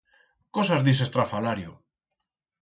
Cosas d'ixe estrafalario!